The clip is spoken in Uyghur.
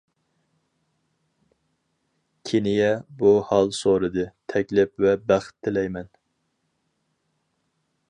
كېنىيە بۇ ھال سورىدى، تەكلىپ ۋە بەخت تىلەيمەن.